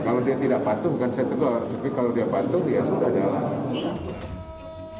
kalau dia tidak patuh bukan saya tegur tapi kalau dia patuh ya sudah jalan